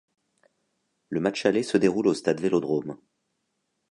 Le match aller se déroule au Stade Vélodrome.